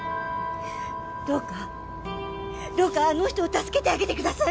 どうかどうかあの人を助けてあげてください